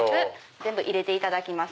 全部入れていただきます。